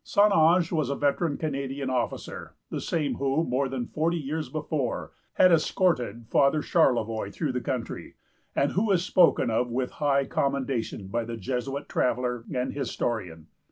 St. Ange was a veteran Canadian officer, the same who, more than forty years before, had escorted Father Charlevoix through the country, and who is spoken of with high commendation by the Jesuit traveller and historian.